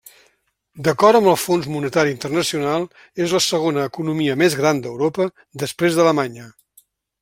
D'acord amb el Fons Monetari Internacional, és la segona economia més gran d'Europa, després d'Alemanya.